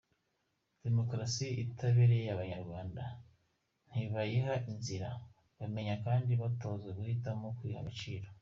Demokarasi itabereye Abanyarwanda ntibayiha inzira, bamenye kandi batozwa guhitamo kwiha “Agaciro”.